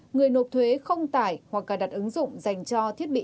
người nộp thuế không tải hoặc cài đặt ứng dụng dành cho thiết bị